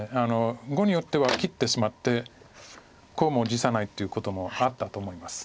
碁によっては切ってしまってコウも辞さないということもあったと思います。